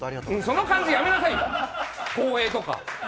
その感じ、やめなさいよ、光栄とか。